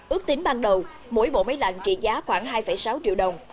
ước tính ban đầu mỗi bộ máy lạnh trị giá khoảng hai sáu triệu đồng